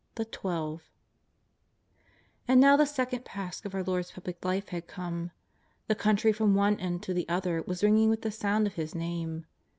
THE TWELVE. And now the second Pasch of our Lord's Public Life had come. The country from one end to the other was ringing with the sound of His Name.